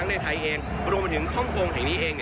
ทั้งในไทยเองรวมถึงคล่องงคลงแห่งนี้เอง